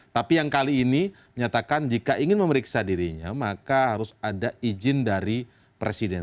tapi yang kali ini menyatakan jika ingin memeriksa dirinya maka harus ada izin dari presiden